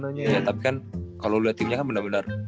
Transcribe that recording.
iya tapi kan kalo lu liat tim nya kan bener bener